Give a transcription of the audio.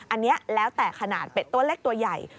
อันนี้แล้วแต่ขนาดเป็ดตัวเล็กตัวใหญ่